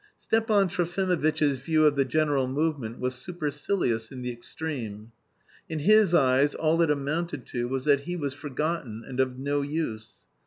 Stepan Trofimovitch's view of the general movement was supercilious in the extreme. In his eyes all it amounted to was that he was forgotten and of no use.